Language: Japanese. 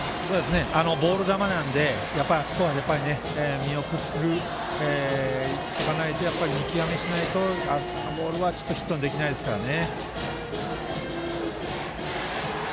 ボール球なので、あそこはやっぱり見送っておかないと見極めをしないと、あのボールはヒットにできないですね。